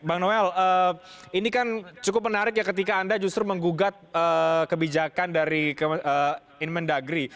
bang noel ini kan cukup menarik ya ketika anda justru menggugat kebijakan dari inmen dagri